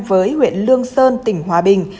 với huyện lương sơn tỉnh hòa bình